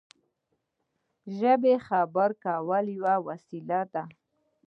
ژبه د خبرو کولو یوه وسیله ده.